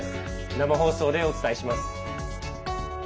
生放送でお伝えします。